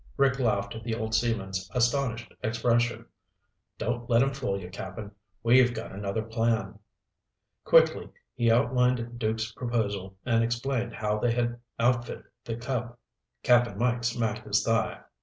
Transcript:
Rick laughed at the old seaman's astonished expression. "Don't let him fool you, Cap'n. We've got another plan." Quickly he outlined Duke's proposal and explained how they had outfitted the Cub. Cap'n Mike smacked his thigh.